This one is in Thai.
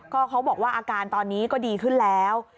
ก็เขาบอกว่าอาการตอนนี้ก็ดีขึ้นแล้ว